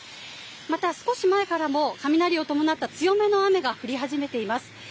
また少し前からも雷を伴った強めの雨が降り始めています。